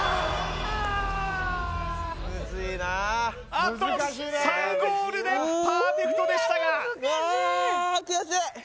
あと３ゴールでパーフェクトでしたがあーっ